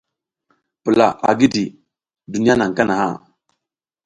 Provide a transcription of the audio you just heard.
Pula a gidi, duniya naƞ kanaha.